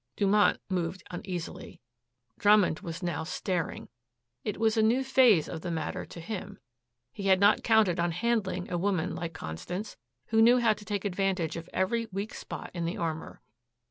Dumont moved uneasily. Drummond was now staring. It was a new phase of the matter to him. He had not counted on handling a woman like Constance, who knew how to take advantage of every weak spot in the armor.